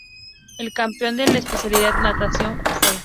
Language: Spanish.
El campeón de la especialidad Natación fue